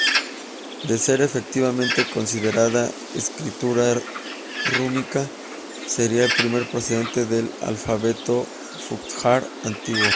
De ser efectivamente considerada escritura rúnica sería el primer precedente del alfabeto futhark antiguo.